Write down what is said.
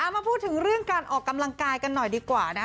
มาพูดถึงเรื่องการออกกำลังกายกันหน่อยดีกว่านะ